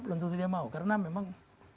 belum tentu dia mau karena memang